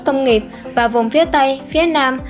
công nghiệp và vùng phía tây phía nam